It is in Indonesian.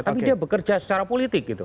tapi dia bekerja secara politik gitu